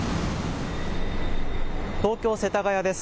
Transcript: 東京世田谷です。